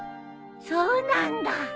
そうなんだ。